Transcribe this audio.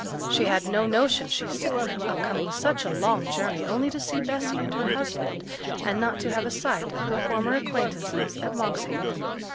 She had no notion, she said, of coming such a long journey only to see Bessy and her husband, and not to have a sight of her former acquaintances at Monkshaven.